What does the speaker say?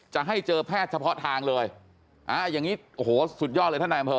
จะให้เจอแพทย์เฉพาะทางเลยอ่าอย่างนี้โอ้โหสุดยอดเลยท่านนายอำเภอ